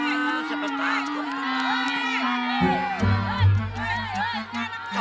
ah siapa takut